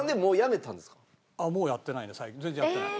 もうやってないね最近全然やってない。